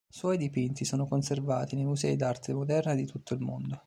Suoi dipinti sono conservati nei Musei d'Arte Moderna di tutto il mondo.